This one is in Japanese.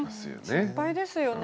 心配ですよね。